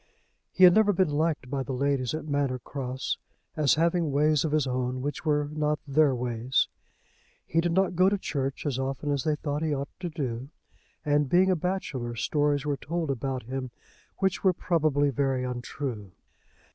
He had never been liked by the ladies at Manor Cross, as having ways of his own which were not their ways. He did not go to church as often as they thought he ought to do; and, being a bachelor, stories were told about him which were probably very untrue.